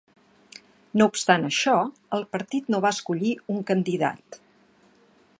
No obstant això, el partit no va escollir un candidat.